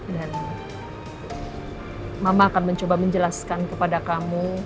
dan mama akan mencoba menjelaskan kepada kamu